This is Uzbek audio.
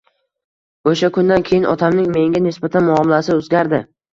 O'sha kundan keyin otamning menga nisbatan muomalasi o'zgardi.